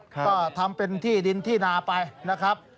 ก็ทำเป็นที่ดินที่นาไปนะครับ